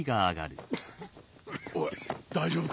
おい大丈夫か？